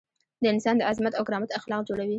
د انسان د عظمت او کرامت اخلاق جوړوي.